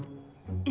え？